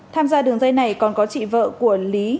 tham gia đường dây này còn có chị vợ của lý